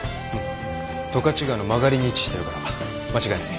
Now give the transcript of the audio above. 十勝川の曲がりに位置してるから間違いない。